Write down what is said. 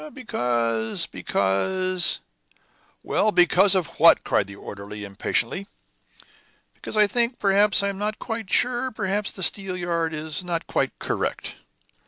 "Because because " "Well, because of what?" cried the orderly, impatiently. "Because I think, perhaps I am not quite sure perhaps the steelyard is not quite correct."